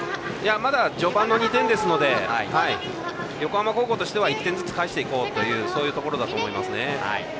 まだ序盤の２点ですので横浜高校としては１点ずつ返していこうというそういうところだと思いますね。